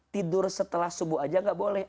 tidur setelah subuh aja nggak boleh